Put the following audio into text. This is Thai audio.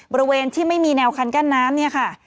บริเวณที่ไม่มีแนวคันกั้นน้ำเนี่ยค่ะ